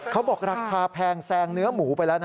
เขาบอกราคาแพงแซงเนื้อหมูไปแล้วนะ